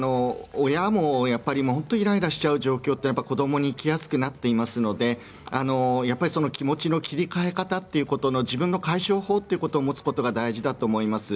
親も本当にイライラしちゃう状況って子どもにいきやすくなっていますのでその気持ちの切り替え方ということが自分の解消法を持つことが大事だと思います。